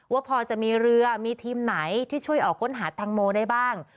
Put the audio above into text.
ว่าพอจะมีเรือมีทีมไหนที่ช่วยออกค้นหาแตงโมได้บ้าง